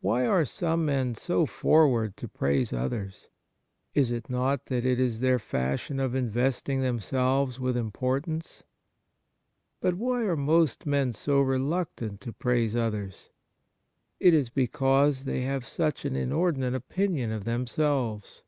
Why are some men so forward to praise others ? Is it not that it is their fashion of investing themselves with importance ? But why are most men so reluctant to praise others? It is because they have such an inordinate opinion of themselves.